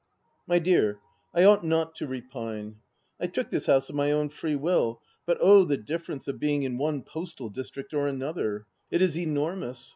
My dear, I ought not to repine, I took this house of my own free will, but oh, the difference of being in one postal district or another I It is enormous.